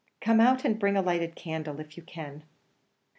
"Come out, and bring a lighted candle, if you can."